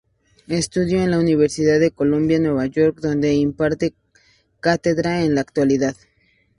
Estudió en la Universidad de Columbia, Nueva York, donde imparte cátedra en la actualidad.